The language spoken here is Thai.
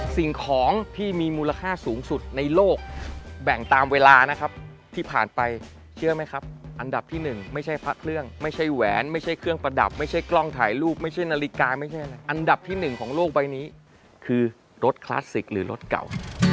สิ่งของที่มีมูลค่าสูงสุดในโลกแบ่งตามเวลานะครับที่ผ่านไปเชื่อไหมครับอันดับที่๑ไม่ใช่พระเครื่องไม่ใช่แหวนไม่ใช่เครื่องประดับไม่ใช่กล้องถ่ายรูปไม่ใช่นาฬิกาไม่ใช่อะไรอันดับที่๑ของโลกใบนี้คือรถคลาสสิกหรือรถเก่า